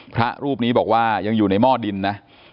พระรูปนี้บอกว่ายังอยู่ในหม้อดินนะ